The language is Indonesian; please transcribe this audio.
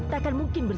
jangan berdiri juma